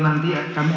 yang di sini